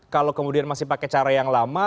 kalau kemudian masih pakai cara yang lama